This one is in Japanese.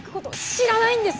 知らないです。